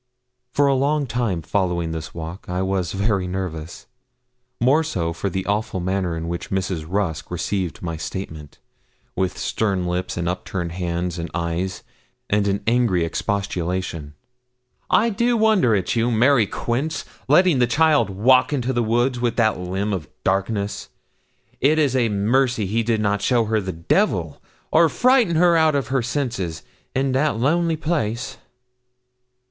For a long time following this walk I was very nervous; more so for the awful manner in which Mrs. Rusk received my statement with stern lips and upturned hands and eyes, and an angry expostulation: 'I do wonder at you, Mary Quince, letting the child walk into the wood with that limb of darkness. It is a mercy he did not show her the devil, or frighten her out of her senses, in that lonely place!'